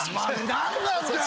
何なんだよ